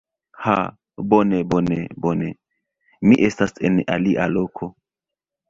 Ha! Bone, bone, bone. Mi estas en alia loko.